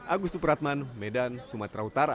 agus supratman medan sumatera utara